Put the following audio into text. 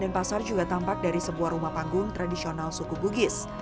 dan pasar juga tampak dari sebuah rumah panggung tradisional suku bugis